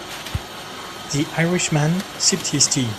The Irish man sipped his tea.